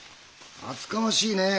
厚かましいねえ。